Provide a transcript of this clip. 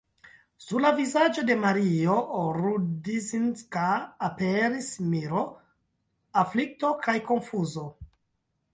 Sur la vizaĝo de Mario Rudzinska aperis miro, aflikto kaj konfuzo.